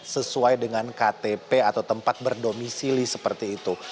sesuai dengan ktp atau tempat berdomisili seperti itu